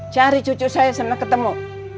cari cucu saya sama ketemu